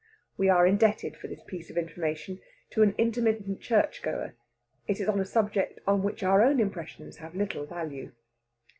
(We are indebted for this piece of information to an intermittent church goer; it is on a subject on which our own impressions have little value.)